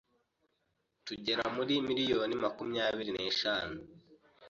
tugera kuri Miliyoni makumyabiri neshanu